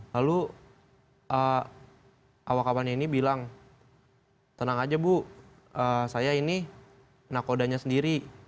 lalu awak awannya ini bilang tenang aja bu saya ini nakodanya sendiri